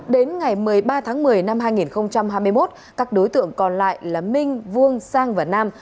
đến ngày một mươi ba tháng một mươi năm hai nghìn hai mươi một các đối tượng còn lại là minh vuông sang và nam